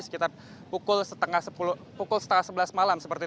sekitar pukul setengah sebelas malam